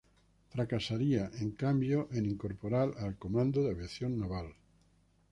Fracasaría, en cambio, en incorporar al Comando de Aviación Naval.